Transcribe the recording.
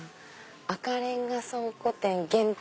「赤レンガ倉庫店限定」。